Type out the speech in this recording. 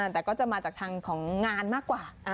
แต่ก็จะมาจากทางของงานมากกว่า